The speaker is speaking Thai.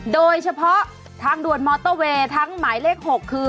โดยเฉพาะทางด่วนมอเตอร์เวย์ทั้งหมายเลข๖คือ